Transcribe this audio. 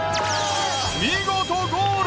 見事ゴール！